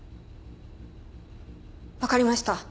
わかりました。